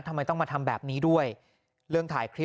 วันนี้ทีมข่าวไทยรัฐทีวีไปสอบถามเพิ่ม